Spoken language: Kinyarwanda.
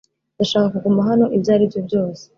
Ndashaka kuguma hano ibyo ari byo byose